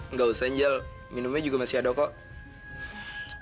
nggak usah angel minumnya juga masih ada kok